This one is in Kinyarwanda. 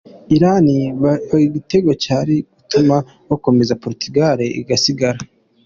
Iran bahiga igitego cyari gutuma bakomeza Portugal igasigara .